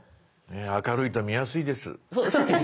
明るいと見やすいです。